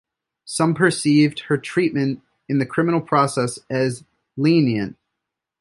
Some perceived her treatment in the criminal process as lenient.